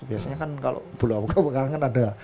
biasanya kan kalau bula belakang kan ada